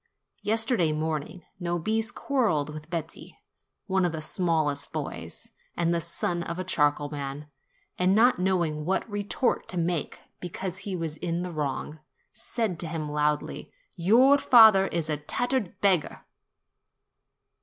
Yesterday morning Nobis quarrelled with Betti, one of the smallest boys, and the son of a charcoal man, and not knowing what retort to make, because he was in the wrong, said to him loudly, "Your father is a tattered beggar